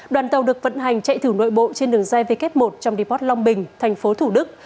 đoàn tàu được vận hành chạy thử nội bộ trên đường dây w một trong deport long bình thành phố thủ đức